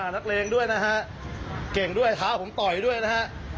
นักเลงด้วยนะฮะเก่งด้วยท้าผมต่อยด้วยนะฮะ